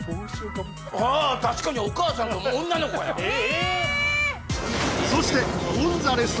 ああ確かにお母さんと女の子やえ！